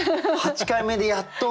８回目でやっと。